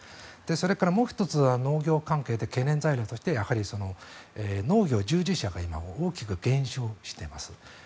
それからもう１つ農業関係で懸念材料として農業従事者が今、大きく減少しています。